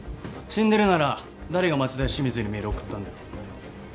死んでるなら誰が町田や清水にメール送ったんだよ？